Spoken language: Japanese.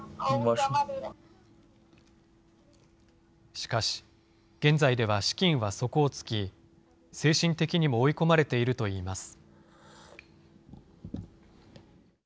しかし、現在では資金は底をつき、精神的にも追い込まれているといいます。